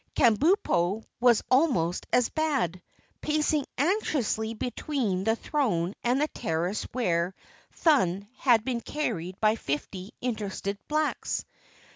Kabumpo was almost as bad, pacing anxiously between the throne and the terrace where Thun had been carried by fifty interested blacks.